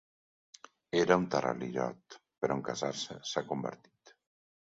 Era un taral·lirot, però en casar-se s'ha convertit.